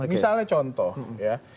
misalnya contoh ya